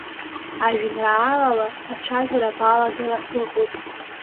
Ажәеинраалала ацәажәара балагара быҟоуп.